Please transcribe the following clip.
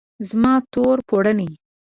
زما د تور پوړنې